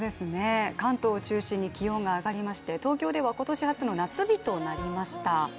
関東を中心に気温が上がりまして東京では今年初の夏日となりました。